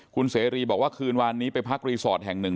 คุณเสรีบอกว่าคืนวานนี้ไปพักรีสอร์ทแห่งหนึ่ง